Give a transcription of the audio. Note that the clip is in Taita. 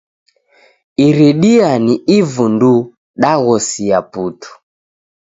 Iridia ni uvu nduu, daghosia putu.